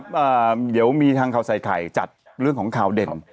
เดี๋ยวมีทางข่าวใส่ไข่จัดเรื่องของข่าวเด่น